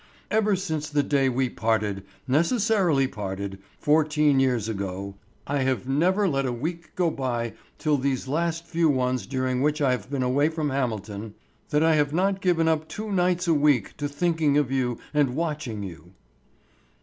Ever since the day we parted, necessarily parted, fourteen years ago, I have never let a week go by till these last few ones during which I have been away from Hamilton, that I have not given up two nights a week to thinking of you and watching you."